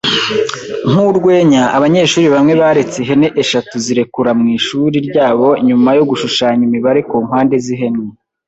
Nkurwenya, abanyeshuri bamwe baretse ihene eshatu zirekura mwishuri ryabo nyuma yo gushushanya imibare kumpande zihene.